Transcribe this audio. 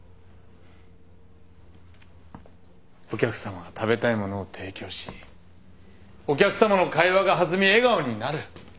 お客さまが食べたい物を提供しお客さまの会話が弾み笑顔になる。